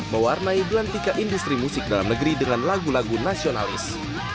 mewarnai gelantika industri musik dalam negeri dengan lagu lagu nasionalis